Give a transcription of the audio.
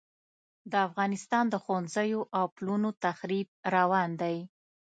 د افغانستان د ښوونځیو او پلونو تخریب روان دی.